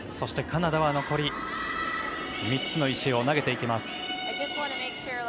カナダは残り３つの石を投げていきます。